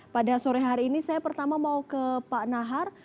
pada sore hari ini saya pertama mau ke pak nahar